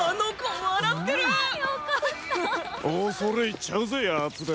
恐れいっちゃうぜヤツデ！